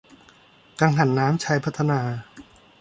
กังหันน้ำชัยพัฒนา